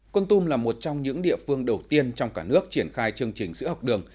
con tum là một trong những địa phương đầu tiên trong cả nước triển khai chương trình sữa học đường